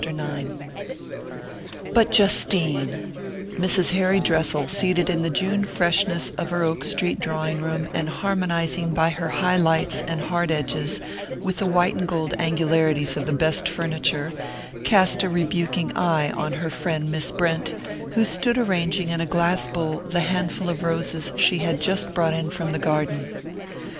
BOOK II IX "BUT, Justine " Mrs. Harry Dressel, seated in the June freshness of her Oak Street drawing room, and harmonizing by her high lights and hard edges with the white and gold angularities of the best furniture, cast a rebuking eye on her friend Miss Brent, who stood arranging in a glass bowl the handful of roses she had just brought in from the garden.